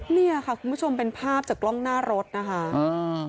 เนี่ยค่ะคุณผู้ชมเป็นภาพจากกล้องหน้ารถนะคะอ่า